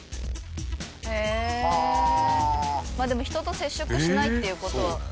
まあでも人と接触しないっていう事は。